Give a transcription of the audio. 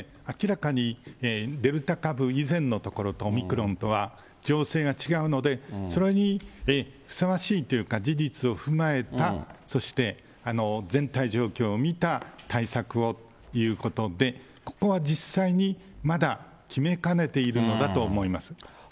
明らかにデルタ株以前のところと、オミクロンとは情勢が違うので、それにふさわしいというか、事実を踏まえた、そして全体状況を見た対策をということで、ここは実際に、まだ決めかねているのだと思います。